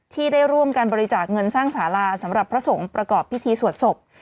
ที่ได้ร่วมการบริจาคเงินสร้างสาราสำหรับพระสงฆ์ประกอบพิธีสวดศพ